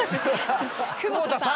久保田さん！